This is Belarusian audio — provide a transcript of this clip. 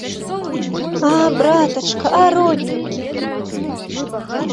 А братачка, а родненькі!